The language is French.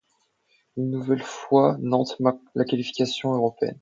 Une nouvelle fois Nantes manque la qualification européenne.